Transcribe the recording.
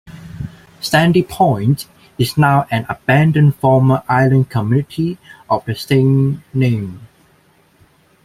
Sandy Point is now an abandoned former island community of the same name.